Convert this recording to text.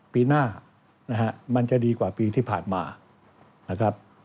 ปีหน้านะฮะมันจะดีกว่าปีที่ผ่านมานะครับ